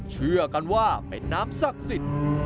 เชื่อกันว่าเป็นน้ำศักดิ์สิทธิ์